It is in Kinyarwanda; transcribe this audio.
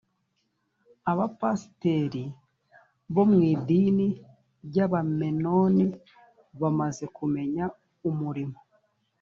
abapasiteri bo mu idini ry’abamenoni bamaze kumenya umurimo